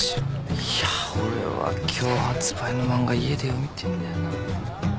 いや俺は今日発売の漫画家で読みてえんだよな。